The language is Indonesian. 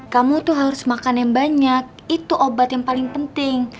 kamu tuh harus makan yang banyak itu obat yang paling penting